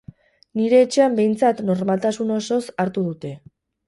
Nire etxean behintzat normaltasun osoz hartu dute.